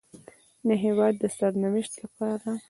د هېواد د سرنوشت لپاره